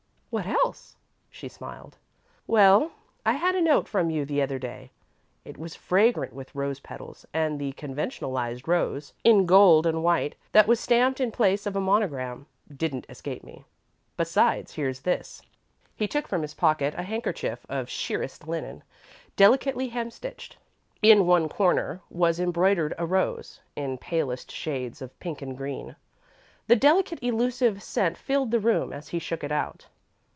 "What else?" she smiled. "Well, I had a note from you the other day. It was fragrant with rose petals and the conventionalised rose, in gold and white, that was stamped in place of a monogram, didn't escape me. Besides, here's this." He took from his pocket a handkerchief of sheerest linen, delicately hemstitched. In one corner was embroidered a rose, in palest shades of pink and green. The delicate, elusive scent filled the room as he shook it out.